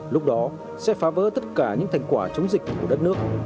lúc đó sẽ phá vỡ tất cả những thành quả chống dịch của đất nước